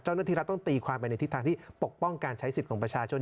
รัฐต้องตีความไปในทิศทางที่ปกป้องการใช้สิทธิ์ของประชาชน